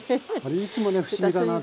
いつもね不思議だなと思って。